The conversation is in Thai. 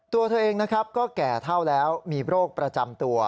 ตัวเธอเองนะครับก็แก่เท่าแล้วมีโรคประจำตัว